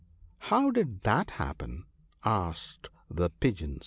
How did that happen ?" asked the Pigeons.